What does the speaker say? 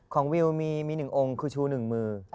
ของวิวมี๑องคือชู้๑มือ